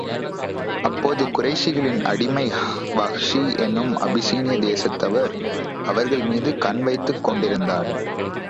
அப்போது குறைஷிகளின் அடிமை வஹ்ஷி என்னும் அபிசீனிய தேசத்தவர், அவர்கள் மீது கண் வைத்துக் கொண்டிருந்தார்.